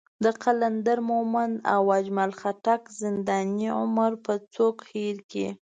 د قلندر مومند او اجمل خټک زنداني عمر به څوک هېر کړي.